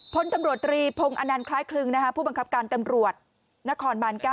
พลตำรวจตรีพงศ์อนันต์คล้ายคลึงผู้บังคับการตำรวจนครบาน๙